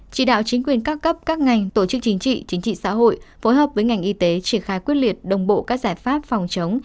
chỉ đạo chính quyền các cấp các ngành tổ chức chính trị chính trị xã hội phối hợp với ngành y tế triển khai quyết liệt đồng bộ các giải pháp phòng chống